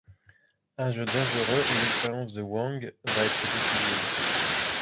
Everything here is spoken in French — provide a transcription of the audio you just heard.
Un jeu dangereux où l'expérience de Huang va être décisive.